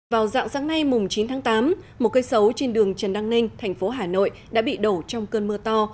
vào dạng sáng nay chín tháng tám một cây sấu trên đường trần đăng ninh thành phố hà nội đã bị đổ trong cơn mưa to